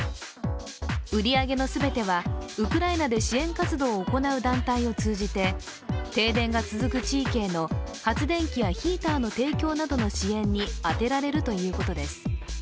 売り上げの全てはウクライナで支援活動を行う団体を通じて停電が続く地域への発電機やヒーターの提供などの支援に充てられるということです。